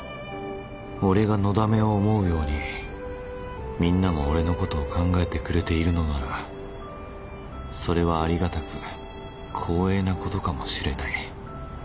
俺がのだめを思うようにみんなも俺のことを考えてくれているのならそれはありがたく光栄なことかもしれない